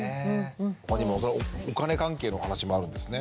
他にもお金関係の話もあるんですね。